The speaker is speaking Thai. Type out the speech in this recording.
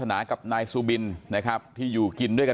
นางมอนก็บอกว่า